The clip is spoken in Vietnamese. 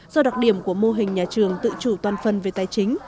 do đặc điểm của mô hình nhà trường tự chủ toàn phần về tài chính